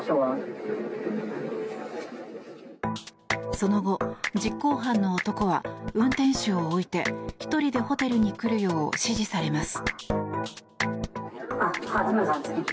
その後、実行犯の男は運転手を置いて１人でホテルに来るよう指示されます。